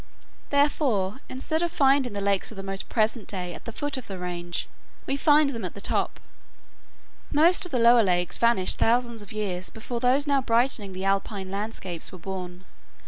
Therefore, instead of finding the lakes of the present day at the foot of the range, we find them at the top. Most of the lower lakes vanished thousands of years before those now brightening the alpine landscapes were born.